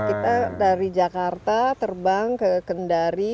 kita dari jakarta terbang ke kendari